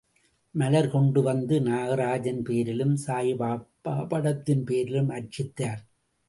மலர் கொண்டு வந்து நாகராஜன் பேரிலும் சாயிபாப படத்தின் பேரிலும் அர்ச்சித்தனர்.